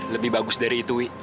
lebih bagus dari itu